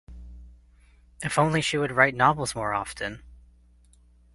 If only she would write novels more often!